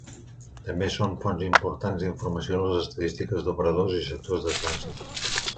També són fonts importants d'informació les estadístiques d'operadors i sectors de trànsit.